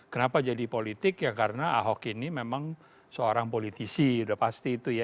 kenapa jadi politik ya karena ahok ini memang seorang politisi udah pasti itu ya